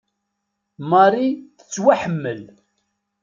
Marie tettwaḥemmel.